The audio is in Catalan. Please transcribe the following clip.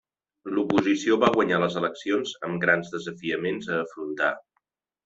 L'oposició va guanyar les eleccions amb grans desafiaments a afrontar.